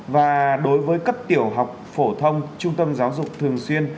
và đối với cấp tiểu học phổ thông trung tâm giáo dục thường xuyên